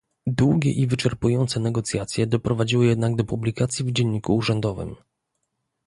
Długie i wyczerpujące negocjacje doprowadziły jednak do publikacji w Dzienniku Urzędowym